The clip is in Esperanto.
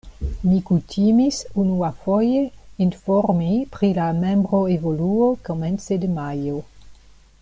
Mi kutimis unuafoje informi pri la membroevoluo komence de majo.